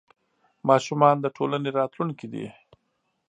ماشومان د ټولنې راتلونکې دي.